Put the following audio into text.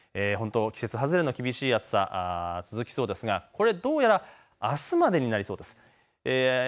季節外れの厳しい暑さが続きそうですがこれはどうやらあすまでになりそうです。